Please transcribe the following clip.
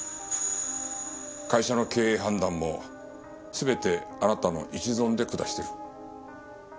会社の経営判断も全てあなたの一存で下している。